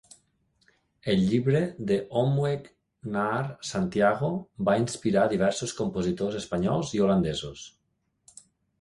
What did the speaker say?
El llibre "De omweg naar Santiago" va inspirar diversos compositors espanyols i holandesos.